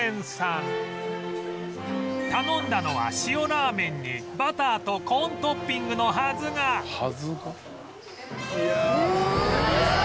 頼んだのは塩ラーメンにバターとコーントッピングのはずがえっ！？